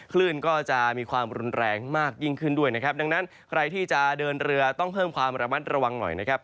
คลื่นก็จะมีความรุนแรงมากยิ่งขึ้นด้วยนะครับดังนั้นใครที่จะเดินเรือต้องเพิ่มความระมัดระวังหน่อยนะครับ